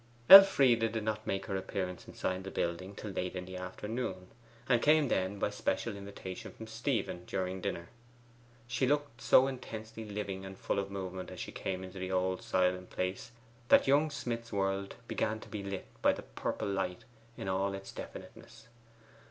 Elfride did not make her appearance inside the building till late in the afternoon, and came then by special invitation from Stephen during dinner. She looked so intensely LIVING and full of movement as she came into the old silent place, that young Smith's world began to be lit by 'the purple light' in all its definiteness.